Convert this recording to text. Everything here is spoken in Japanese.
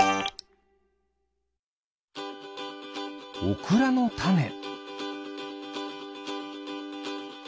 オクラのたね。